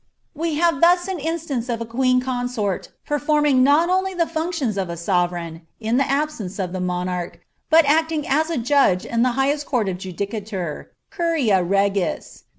^^ We have thus an instance of a queen consort performing not only the functions of a sovereign, in the absence of the monarch, but acting as a judge in the highest court of judicature, curia regis.